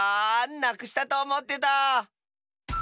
なくしたとおもってた。